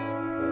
ya pak sofyan